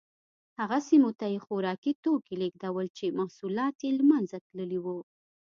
هغه سیمو ته یې خوراکي توکي لېږدول چې محصولات یې له منځه تللي وو